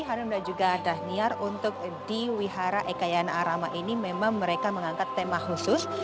harimda juga dah niar untuk di wihara ekayama ini memang mereka mengangkat tema khusus